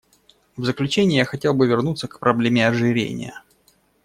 В заключение я хотел бы вернуться к проблеме ожирения.